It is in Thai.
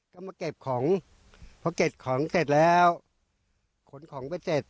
ก็มาเก็บของพอเก็บของเสร็จแล้วขนของไปเสร็จ